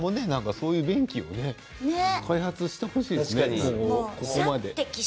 そういう便器を開発してほしいですね。